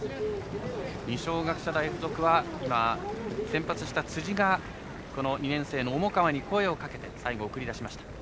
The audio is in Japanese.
二松学舎大付属は先発した辻が２年生の重川に声を掛けて最後、送り出しました。